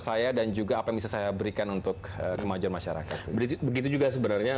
saya dan juga apa yang bisa saya berikan untuk kemajuan masyarakat begitu juga sebenarnya